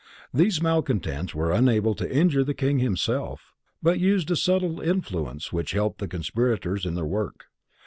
These malcontents were unable to injure the King himself, but used a subtle influence which helped the conspirators in their work.